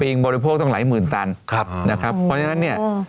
บริโภคตั้งหลายหมื่นตันครับนะครับเพราะฉะนั้นเนี่ย